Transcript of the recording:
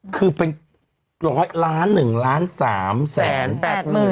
คือเป็นร้อยล้านหนึ่งล้านสามแสนแปดหมื่น